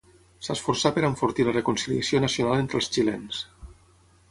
S'esforçà per enfortir la reconciliació nacional entre els xilens.